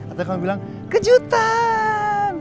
atau kamu bilang kejutan